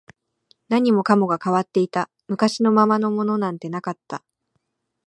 何もかもが変わっていた、昔のままのものなんてなかった